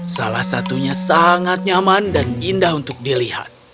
salah satunya sangat nyaman dan indah untuk dilihat